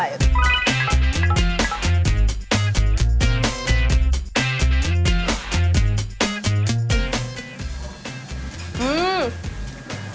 อาร่อยนะครับ